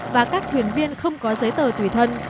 và các thuyền viên không có giấy tờ tùy thân